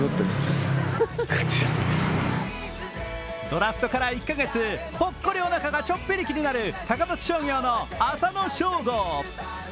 ドラフトから１か月、ぽっこりおなかがちょっぴり気になる高松商業の浅野翔吾。